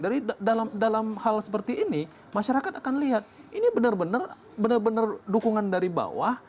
jadi dalam hal seperti ini masyarakat akan lihat ini benar benar dukungan dari bawah